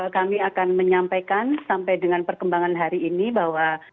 kami akan menyampaikan sampai dengan perkembangan hari ini bahwa